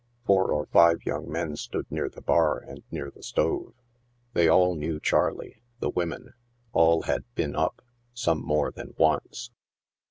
Four or five young men stood near the bar and near the stove. They all knew Charley — the women. All had been " up," some more than once.